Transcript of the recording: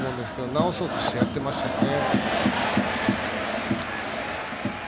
直そうとして、やってましたね。